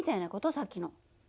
さっきの。